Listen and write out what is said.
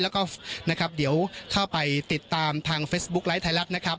แล้วก็นะครับเดี๋ยวเข้าไปติดตามทางเฟซบุ๊คไลท์ไทยรัฐนะครับ